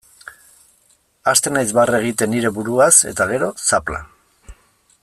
Hasten naiz barre egiten nire buruaz, eta gero, zapla.